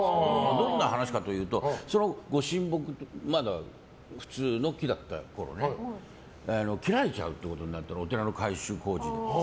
どんな話かというとご神木、まだ普通の木だったころ切られちゃうってことになってお寺の改修工事で。